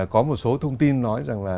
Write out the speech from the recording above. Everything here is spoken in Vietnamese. có một số thông tin nói rằng là